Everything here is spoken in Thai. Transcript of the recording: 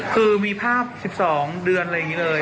คือมีภาพ๑๒เดือนใช่งี้เลย